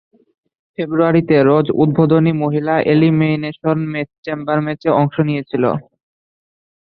ফেব্রুয়ারিতে রোজ উদ্বোধনী "মহিলা এলিমিনেশন চেম্বার ম্যাচে" অংশ নিয়েছিল।